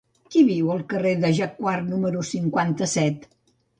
Qui viu al carrer de Jacquard número cinquanta-set?